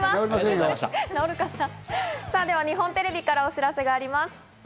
日本テレビからお知らせがあります。